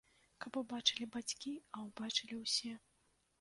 Каб убачылі бацькі, а ўбачылі ўсе.